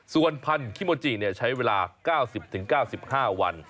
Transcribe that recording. ส่วนพันธิโมจิใช้เวลา๙๐๙๕วัน